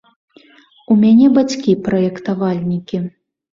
У мяне бацькі праектавальнікі.